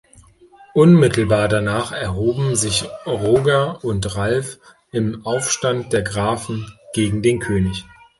Unmittelbar danach erhoben sich Roger und Ralph im Aufstand der Grafen gegen den König.